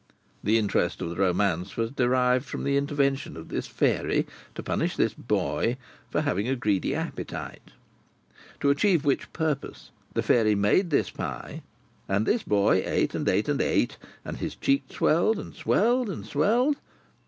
The interest of the romance was derived from the intervention of this fairy to punish this boy for having a greedy appetite. To achieve which purpose, this fairy made this pie, and this boy ate and ate and ate, and his cheeks swelled and swelled and swelled.